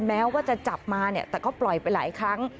แม้ว่าจะจับมาเนี่ยแต่ก็ปล่อยไปหลายครั้ง